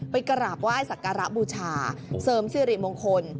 กราบไหว้สักการะบูชาเสริมสิริมงคล